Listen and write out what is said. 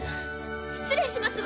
失礼しますわ。